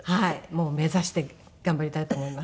もう目指して頑張りたいと思います。